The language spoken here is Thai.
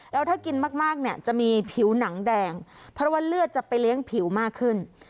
แล้วถ้ากินมากเนี่ยจะมีผิวหนังแดงเพราะว่าเลือดจะไปเลี้ยงผิวมากขึ้น